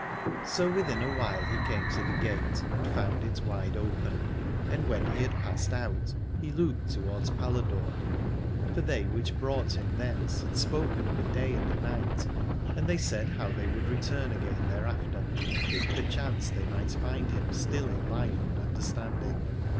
So within a while he came to the gate, and found it wide open. And when he had passed out he looked towards Paladore, for they which brought him thence had spoken of a day and a night, and they said how they would return again thereafter, if per chance they might find him still in life and understanding.